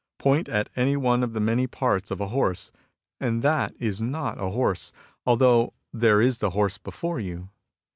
'' Point at any one of the many parts of a horse, and that is not a horse, although there is the horse before you.